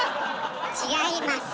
違います。